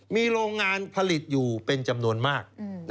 มีโรงงานผลิตอยู่เป็นจำนวนมาก